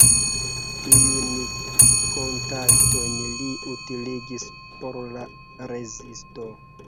Tiujn kontaktojn li utiligis por la rezisto.